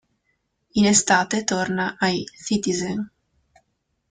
In estate torna ai "Citizens".